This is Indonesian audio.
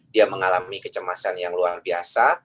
dia mengalami kecemasan yang luar biasa